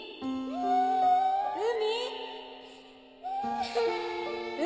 海！